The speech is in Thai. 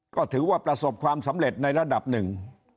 ก็ถือว่าประสบความสำเร็จในระดับหนึ่ง